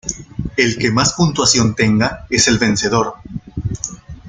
El que más puntuación tenga es el vencedor.